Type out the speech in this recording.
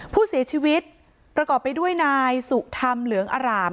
ผู้เสียชีวิตประกอบไปด้วยนายสุธรรมเหลืองอร่าม